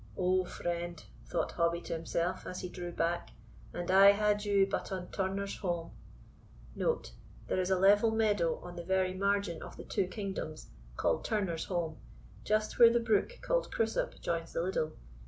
O, friend, thought Hobbie to himself, as he drew back, an I had you but on Turner's holm, [There is a level meadow, on the very margin of the two kingdoms, called Turner's holm, just where the brook called Crissop joins the Liddel.